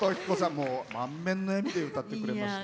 もう満面の笑みで歌ってくれました。